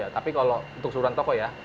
tapi kalau untuk seluruhan toko ya